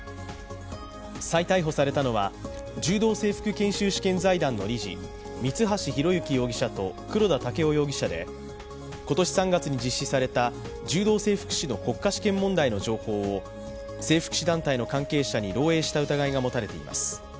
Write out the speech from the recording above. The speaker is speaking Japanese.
再逮捕されたのは、柔道整復研修試験財団の理事、三橋裕之容疑者と黒田剛生容疑者で今年３月に実施された柔道整復師の国家試験問題の情報整復師団体の関係者に漏えいした疑いが持たれています。